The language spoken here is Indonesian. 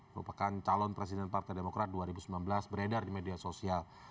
merupakan calon presiden partai demokrat dua ribu sembilan belas beredar di media sosial